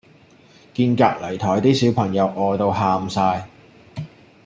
見隔離枱啲小朋友餓到喊哂